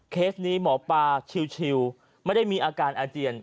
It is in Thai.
เคสนี้หมอปลาชิวไม่ได้มีอาการอาเจียน